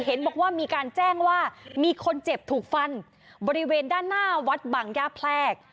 เห็นบอกว่ามีการแจ้งว่ามีคนเจ็บถูกฟันบริเวณด้านหน้าวัดบังย่าแพรก